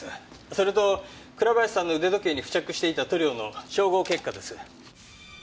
それと倉林さんの腕時計に付着していた塗料の照合結果です。